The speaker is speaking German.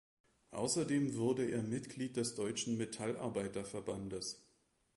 Außerdem wurde er Mitglied des Deutschen Metallarbeiterverbandes.